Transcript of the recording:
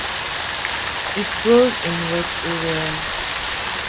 It grows in wet areas.